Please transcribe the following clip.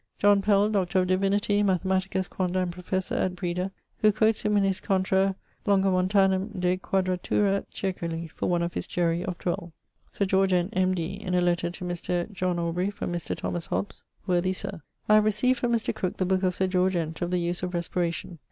John Pell, Dr. of Divinity, mathematicus, quondam professor ... at Breda, who quotes him in his ... contra Longomontanum de Quadratura circuli, for one of his jury (of 12). Sir George Ent, M.D. In a letter to Mr. J A from Mr. Thomas Hobbes: 'Worthy Sir, I have receaved from Mr. Crooke the booke of Sir George Ent of the Use of Respiration.